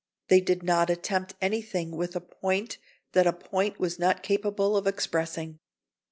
They did not attempt anything with a point that a point was not capable of expressing.